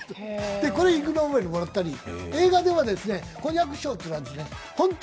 これ、イグ・ノーベルもらったり、映画ではコニャック賞というのがあるんですね。